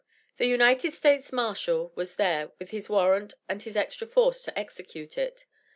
The United States Marshal was there with his warrant and an extra force to execute it.